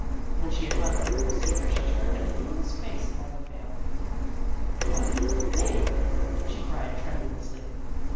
When she had hung up the receiver she turned a luminous face upon her family. " What do you think," she cried tremulously.